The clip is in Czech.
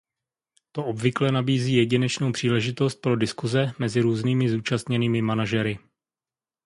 To obvykle nabízí jedinečnou příležitost pro diskuse mezi různými zúčastněnými manažery.